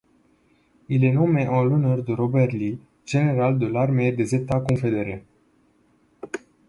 Il est nommé en l'honneur de Robert Lee, général de l'Armée des États confédérés.